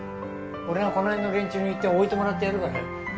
俺がこのへんの連中に言って置いてもらってやるからよ。